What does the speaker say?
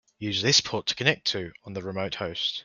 Use this port to connect to on the remote host.